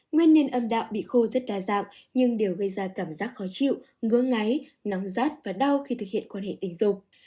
nguyên nhân âm đạo bị khô rất đa dạng nhưng đều gây ra cảm giác khó chịu ngỡ ngáy nóng rát và đau khi thực hiện quan hệ tình dục